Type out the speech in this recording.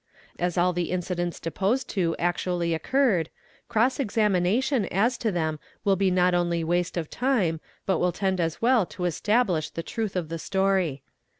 As all the incidents deposed to actually occurred, cross examination as to them will be not only waste of time but will tend as well to establish the truth of the story.